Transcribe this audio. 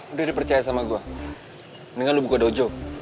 udah dipercaya sama gue mendingan lu buka dojo